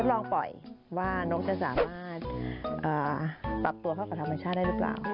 ลองปล่อยว่านกจะสามารถปรับตัวเข้ากับธรรมชาติได้หรือเปล่า